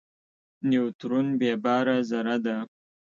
نیوترون بېباره ذره ده.